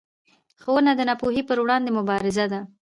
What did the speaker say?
ښوونه د ناپوهۍ پر وړاندې مبارزه ده